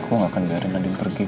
aku gak akan biarkan andin pergi